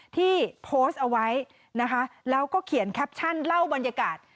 ที่โพสต์เอาไว้นะคะแล้วก็เขียนแคปชั่นเล่าบรรยากาศ